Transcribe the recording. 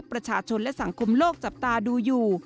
ประชาชนและสังคมโลกจับตาดูอยู่